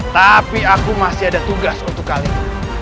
tapi aku masih ada tugas untuk kalian